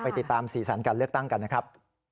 ติดตามสีสันการเลือกตั้งกันนะครับ